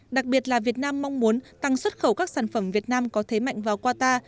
đặc biệt là việt nam mong muốn tăng xuất khẩu các sản phẩm việt nam có thế mạnh vào qatar